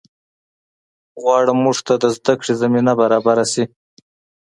غواړم مونږ ته د زده کړې زمینه برابره شي